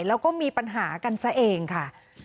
แล้วก็มีปัญหากันซะเองค่ะ